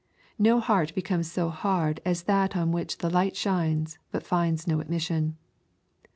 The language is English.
No heart becomes so hard as that on which the light shines, hut finds no admission.